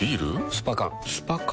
スパ缶スパ缶？